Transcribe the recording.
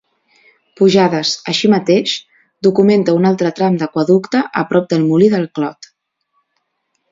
Pujades, així mateix, documenta un altre tram d'aqüeducte a prop del Molí del Clot.